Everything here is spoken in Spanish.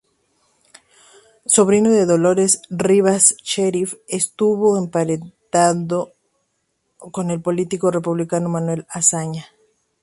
Sobrino de Dolores Rivas Cherif, estuvo emparentado con el político republicano Manuel Azaña.